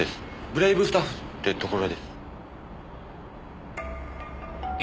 ブレイブスタッフってところで。